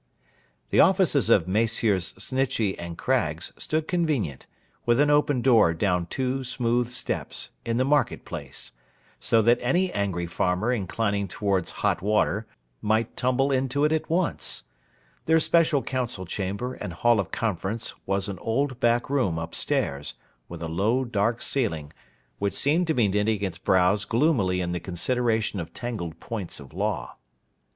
The offices of Messrs. Snitchey and Craggs stood convenient, with an open door down two smooth steps, in the market place; so that any angry farmer inclining towards hot water, might tumble into it at once. Their special council chamber and hall of conference was an old back room up stairs, with a low dark ceiling, which seemed to be knitting its brows gloomily in the consideration of tangled points of law.